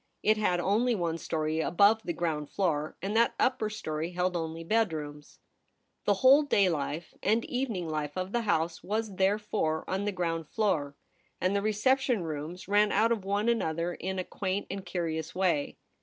It had only one story above the ground floor, and that upper story held only bed 154 THE REBEL ROSE. rooms. The whole day life and evening life of the house was therefore on the ground floor ; and the reception rooms ran out of one another in a quaint and curious way.